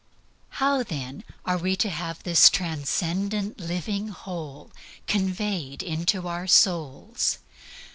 How then are we to have this transcendent living whole conveyed into our souls?